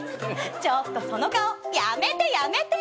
ちょっとその顔やめてやめて。